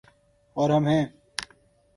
اور ہم ہیں۔